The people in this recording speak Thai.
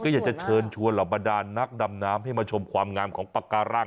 อยากจะเชิญชวนเหล่าบรรดานนักดำน้ำให้มาชมความงามของปากการัง